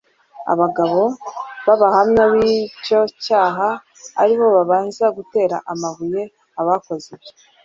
abagabo b'abahamya b'icyo cyaha ari bo babanza gutera amabuye abakoze ibyo.